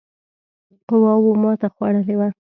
قواوو ماته خوړلې وه.